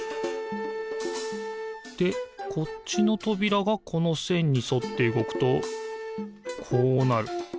でこっちのとびらがこのせんにそってうごくとこうなる。